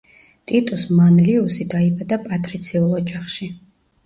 ტიტუს მანლიუსი დაიბადა პატრიციულ ოჯახში.